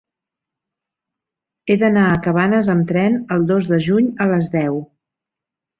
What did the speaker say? He d'anar a Cabanes amb tren el dos de juny a les deu.